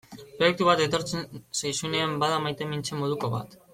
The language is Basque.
Proiektu bat etortzen zaizunean bada maitemintze moduko bat.